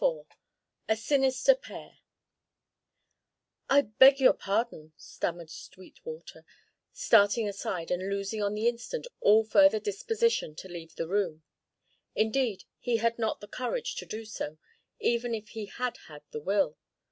XXIII A SINISTER PAIR "I beg your pardon," stammered Sweetwater, starting aside and losing on the instant all further disposition to leave the room. Indeed, he had not the courage to do so, even if he had had the will.